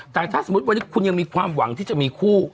แต่ถ้าสมมุติวันนี้คุณยังมีความหวังที่จะมีคู่